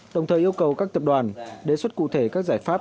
đồng thời yêu cầu các tập đoàn đề xuất cụ thể các giải pháp